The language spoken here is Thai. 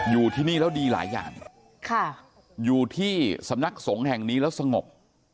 อยู่ที่นี่แล้วดีหลายอย่างอยู่ที่สำนักสงฆ์แห่งนี้แล้วสงบ